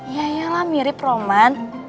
ya iyalah mirip roman